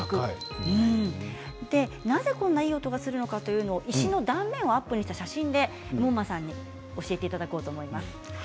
なぜこんないい音がするのか断面をアップした写真で門馬さんに教えていただこうと思います。